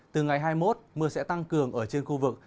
từ ngày hai mươi một mưa sẽ tăng cường ở trên khu vực